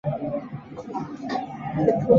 柯震东曾与萧亚轩和李毓芬交往。